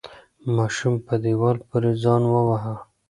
ماشوم په دیوال پورې ځان وواهه.